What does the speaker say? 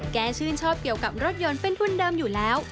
ชื่นชอบเกี่ยวกับรถยนต์เป็นทุนเดิมอยู่แล้ว